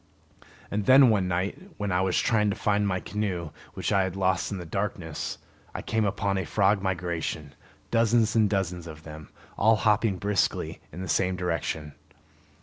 And then, one night when I was trying to find my canoe which I had lost in the darkness, I came upon a frog migration, dozens and dozens of them, all hopping briskly in the same direction.